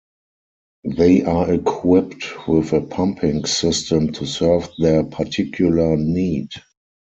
They are equipped with a pumping system to serve their particular need.